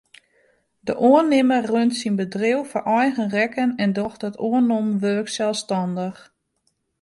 De oannimmer runt syn bedriuw foar eigen rekken en docht it oannommen wurk selsstannich.